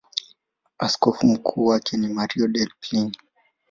Askofu mkuu wake ni Mario Delpini.